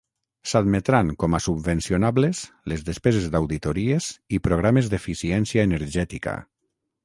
S'admetran com a subvencionables les despeses d'auditories i programes d'eficiència energètica.